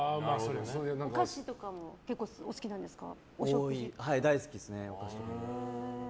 お菓子とかも結構お好きなんですか？